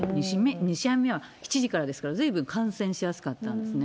２試合目は７時からですから、ずいぶん観戦しやすかったんですね。